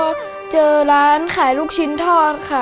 แล้วพอเจอร้านขายลูกชิ้นทอดค่ะ